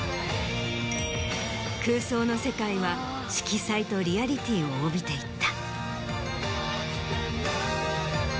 空想の世界は色彩とリアリティーを帯びていった。